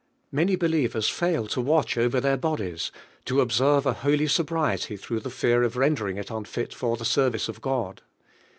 Many believ ers fail to watoh oyer their bodies, to ob serve a holy sobriety through the fear of rendering it unfit for the service of God.